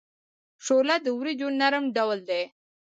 شوله د وریجو نرم ډول دی.